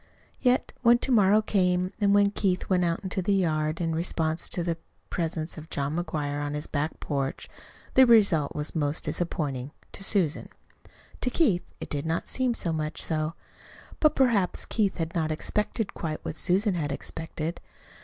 Yet, when to morrow came, and when Keith went out into the yard in response to the presence of John McGuire on his back porch, the result was most disappointing to Susan. To Keith it did not seem to be so much so. But perhaps Keith had not expected quite what Susan had expected.